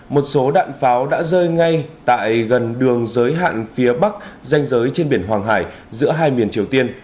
một số đạn pháo đã rơi ngay tại gần đường giới hạn phía bắc danh giới trên biển hoàng hải giữa hai miền triều tiên